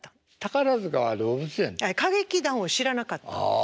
歌劇団を知らなかったんです。